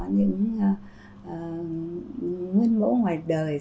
nguyên mẫu ngoài đời